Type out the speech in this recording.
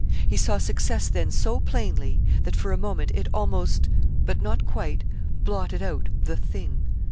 He saw success then so plainly that for a moment it almost but not quite blotted out The Thing.